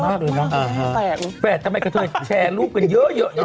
แฟสทำไมกะเทยแชร์ลูกกันเยอะ